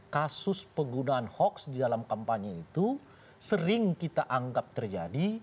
kasus penggunaan hoax di dalam kampanye itu sering kita anggap terjadi